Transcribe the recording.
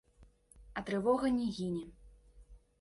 А трывога не гіне.